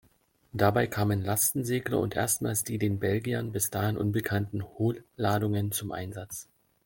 Dabei kamen Lastensegler und erstmals die den Belgiern bis dahin unbekannten Hohlladungen zum Einsatz.